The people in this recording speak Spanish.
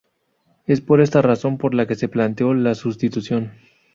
Es por esta razón por la que se planteó la sustitución.